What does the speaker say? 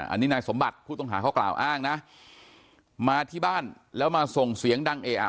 อันนี้นายสมบัติผู้ต้องหาเขากล่าวอ้างนะมาที่บ้านแล้วมาส่งเสียงดังเออะ